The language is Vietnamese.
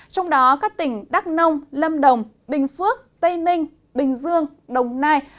trong đó các tỉnh đắk nông lâm đồng bình phước tây ninh bình dương đồng nai